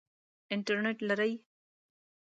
انټرنټ لرئ؟